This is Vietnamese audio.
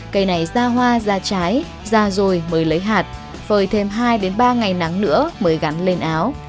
cây này ra hoa ra trái da rồi mới lấy hạt phơi thêm hai ba ngày nắng nữa mới gắn lên áo